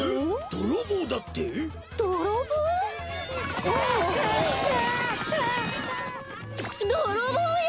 どろぼうよ！